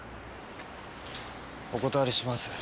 お断りします。